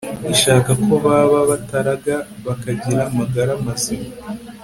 Ishaka ko baba bataraga bakagira amagara mazima